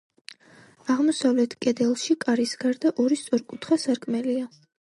აღმოსავლეთ კედელში კარის გარდა ორი სწორკუთხა სარკმელია.